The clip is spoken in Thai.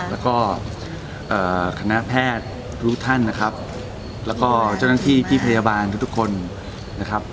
แล้วก็คณะแพทย์ทุกท่านนะครับแล้วก็เจ้าหน้าที่พี่พยาบาลทุกคนนะครับ